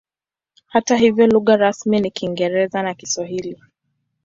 Hata hivyo lugha rasmi ni Kiingereza na Kiswahili.